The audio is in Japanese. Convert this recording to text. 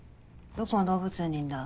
どこの動物園にいんだ？